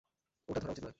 ওটা ধরা উচিত নয়।